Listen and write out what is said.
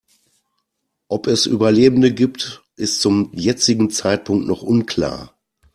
Ob es Überlebende gibt, ist zum jetzigen Zeitpunkt noch unklar.